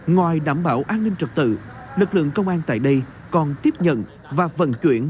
ngoài đảm bảo an ninh trật tự lực lượng công an tại đây còn tiếp nhận và vận chuyển